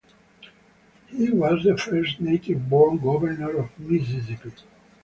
He was the first native-born governor of Mississippi.